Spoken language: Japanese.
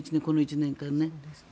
この１年間。